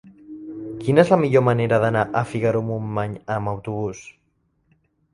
Quina és la millor manera d'anar a Figaró-Montmany amb autobús?